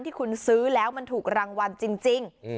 ที่คุณซื้อแล้วมันถูกรางวัลจริง